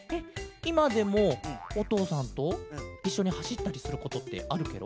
いまでもおとうさんといっしょにはしったりすることってあるケロ？